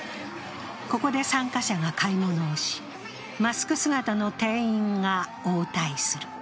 ここで参加者が買い物をし、マスク姿の店員が応対する。